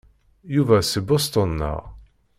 Yuba seg Boston, naɣ?